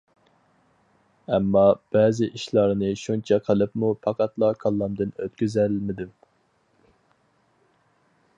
ئەمما بەزى ئىشلارنى شۇنچە قىلىپمۇ پەقەتلا كاللامدىن ئۆتكۈزەلمىدىم.